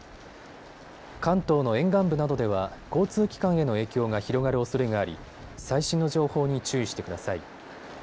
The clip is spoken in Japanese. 関東の沿岸部などでは交通機関への影響が広がるおそれがあり最新の情報に注意してください。